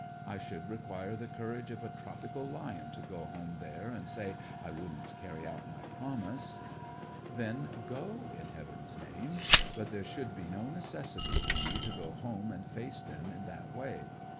I should require the courage of a tropical lion to go home there and say I wouldn't carry out my promise!' 'Then go, in Heaven's name! But there would be no necessity for you to go home and face them in that way.